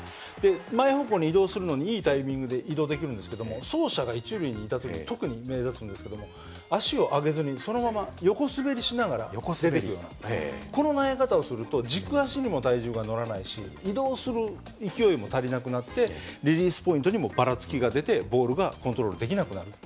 前方向に移動するのにいいタイミングで移動できるんですけども走者が一塁にいた時に特に目立つんですけども足を上げずにそのまま横滑りしながら出ていくようなこの投げ方をすると軸足にも体重が乗らないし移動する勢いも足りなくなってリリースポイントにもばらつきが出てボールがコントロールできなくなるっていう。